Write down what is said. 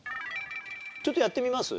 ちょっとやってみます？